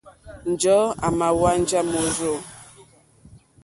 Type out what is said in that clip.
Njɔ̀ɔ́ àmà hwánjá môrzô.